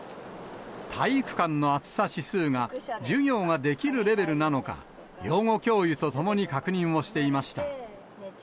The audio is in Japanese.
体育館の暑さ指数が授業ができるレベルなのか、養護教諭と共に確認をしていました。